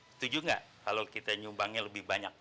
setuju nggak kalau kita nyumbangnya lebih banyak